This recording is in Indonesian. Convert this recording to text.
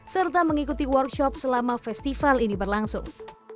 serta mengikuti workshop selama festival ini berlangsung